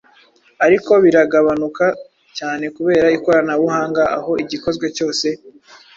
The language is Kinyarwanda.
ariko biragabanuka cyane kubera ikoranabuhanga aho igikozwe cyose